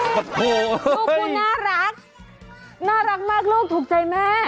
โอ้โหไอ้ลูกโอ้โหลูกคุณน่ารักน่ารักมากลูกถูกใจแม่